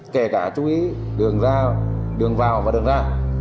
kể cả chú ý đường ra đường vào và đường ra